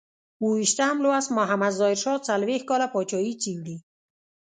اوو ویشتم لوست محمد ظاهر شاه څلویښت کاله پاچاهي څېړي.